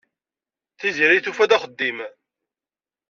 Tiziri tufa-d axeddim.